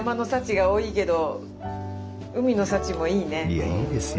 いやいいですよ。